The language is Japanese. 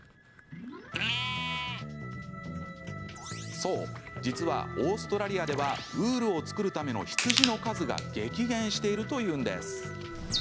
そう、実はオーストラリアではウールを作るための羊の数が激減しているというんです。